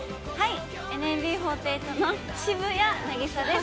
ＮＭＢ４８の渋谷凪咲です。